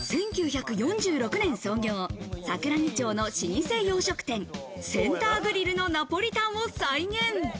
１９４６年創業、桜木町の老舗洋食店センターグリルのナポリタンを再現。